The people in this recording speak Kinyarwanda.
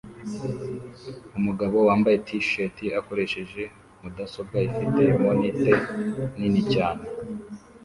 Umugabo wambaye t-shirt akoresheje mudasobwa ifite monite nini cyane